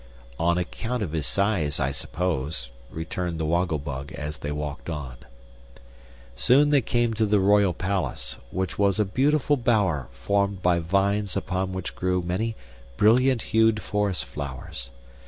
"On account of his size, I suppose," returned the Woggle Bug, as they walked on. Soon they came to the Royal Palace, which was a beautiful bower formed of vines upon which grew many brilliant hued forest flowers.